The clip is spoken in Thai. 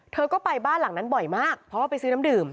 เธอก็ไปบ้านหลังนั้นบ่อยมากเพราะว่าไปซื้อน้ำดื่ม